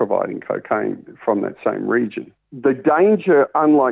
di mana keadaan kematian opioid sangat tinggi